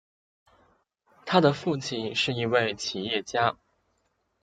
他的父亲是一位企业家。